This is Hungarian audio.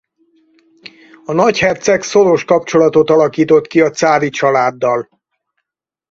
A nagyherceg szoros kapcsolatot alakított ki a cári családdal.